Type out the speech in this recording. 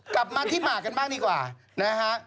กลับมาที่หมากกันบ้างดีกว่านะฮะ